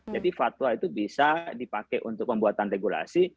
jadi fatwa itu bisa dipakai untuk pembuatan regulasi